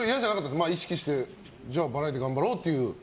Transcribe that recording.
そこから意識してじゃあ、バラエティー頑張ろうっていう？